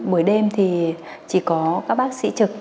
buổi đêm thì chỉ có các bác sĩ trực